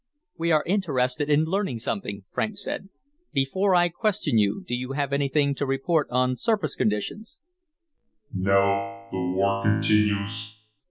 "We are interested in learning something," Franks said. "Before I question you, do you have anything to report on surface conditions?"